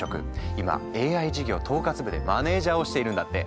今ＡＩ事業統括部でマネージャーをしているんだって。